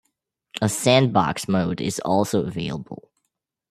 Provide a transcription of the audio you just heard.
A sandbox mode is also available.